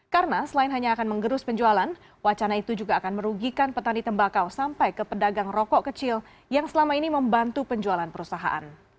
karena selain hanya akan menggerus penjualan wacana itu juga akan merugikan petani tembakau sampai ke pedagang rokok kecil yang selama ini membantu penjualan perusahaan